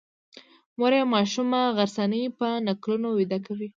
مور یې ماشومه غرڅنۍ په نکلونو ویده کوي.